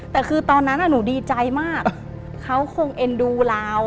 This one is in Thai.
แต่คือตอนนั้นหนูดีใจมากเขาคงเอ็นดูเรา